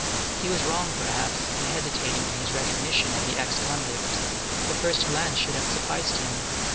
He was wrong, perhaps, in hesitating in his recognition of the exconvict. The first glance should have sufficed him.